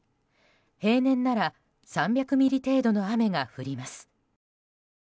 平年なら３００ミリ程度の雨が降ります。